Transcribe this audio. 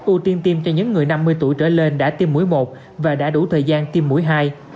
ưu tiên tiêm cho những người năm mươi tuổi trở lên đã tiêm mũi một và đã đủ thời gian tiêm mũi hai